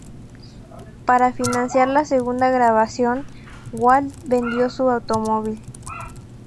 Para financiar la segunda grabación, Walt vendió su automóvil.